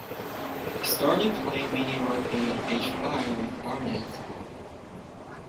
He started playing mini rugby at age five with Barnet.